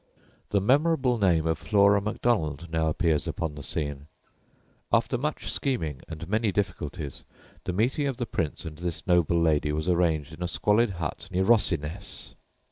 The memorable name of Flora Macdonald now appears upon the scene. After much scheming and many difficulties the meeting of the Prince and this noble lady was arranged in a squalid hut near Rosshiness.